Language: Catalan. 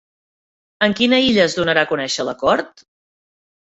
En quina illa es donarà a conèixer l'acord?